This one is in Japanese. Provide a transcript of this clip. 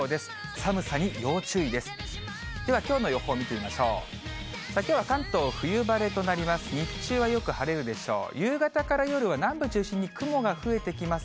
寒さに要注意です。